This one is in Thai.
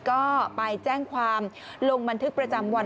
ก็ไปแจ้งความลงบันทึกประจำวัน